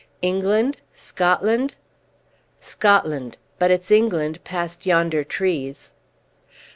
"England? Scotland?" "Scotland. But it's England past yonder trees."